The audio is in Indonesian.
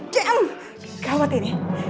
jam gawat ini